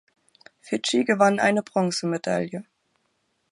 Fidschi gewann eine Bronzemedaille.